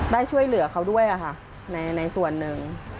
ได้ช่วยเหลือเขาด้วยค่ะในส่วนหนึ่ง